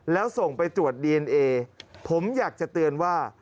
แล้วส่งไปตรวจดีเอนเอผมอยากจะเตือนว่า